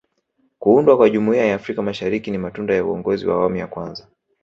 kuundwa kwa Jumuiya ya Afrika Mashariki ni matunda ya uongozi wa awamu ya kwanza